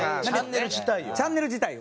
チャンネル自体を？